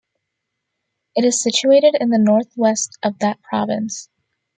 It is situated in the north-west of that province.